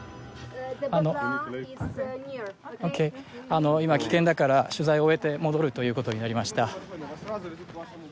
あのＯＫあの今危険だから取材終えて戻るということになりました